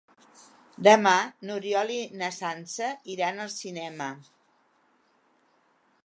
Demà n'Oriol i na Sança iran al cinema.